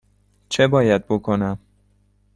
چه باید بکنم؟